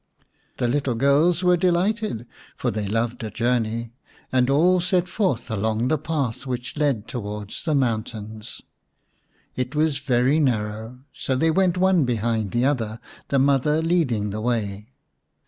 The little girls were delighted, for they loved a journey, and all set forth along the path which led towards the mountains. It was very narrow, so they went one behind another, the mother leading the way.